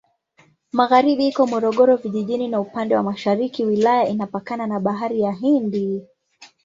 Magharibi iko Morogoro Vijijini na upande wa mashariki wilaya inapakana na Bahari ya Hindi.